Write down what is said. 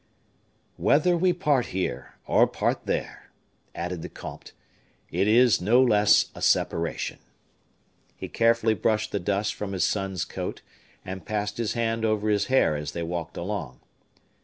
"Whether we part here or part there," added the comte, "it is no less a separation." He carefully brushed the dust from his son's coat, and passed his hand over his hair as they walked along.